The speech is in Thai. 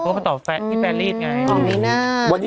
เพราะว่าต่อแฟสต์ที่แฟรรี่ดร์ไง